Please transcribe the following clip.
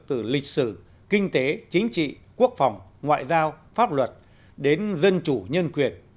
từ lịch sử kinh tế chính trị quốc phòng ngoại giao pháp luật đến dân chủ nhân quyền